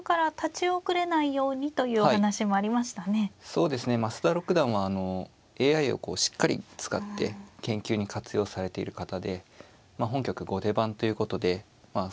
そうですね増田六段はＡＩをこうしっかり使って研究に活用されている方でまあ本局後手番ということでまあ